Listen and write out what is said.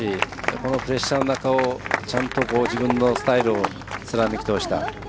このプレッシャーの中ちゃんと自分のスタイルを貫き通した。